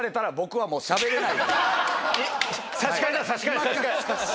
はい。